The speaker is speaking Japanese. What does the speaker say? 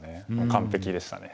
完璧でしたね。